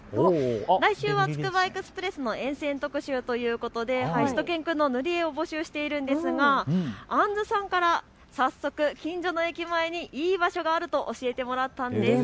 来週はつくばエクスプレスの沿線特集ということでしゅと犬くんの塗り絵を募集しているんですが、あんずさんから早速近所の駅前にいい場所があると教えてもらったんです。